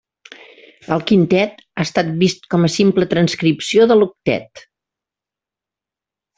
El quintet ha estat vist com a simple transcripció de l'octet.